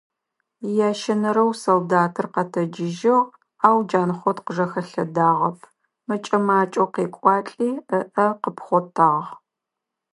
Ящэнэрэу солдатыр къэтэджыжьыгъ, ау Джанхъот къыжэхэлъэдагъэп, мэкӀэ-макӀэу къекӀуалӀи, ыӀэ къыпхъотагъ.